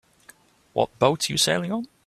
What boat you sailing on?